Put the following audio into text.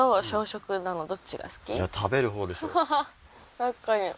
確かに。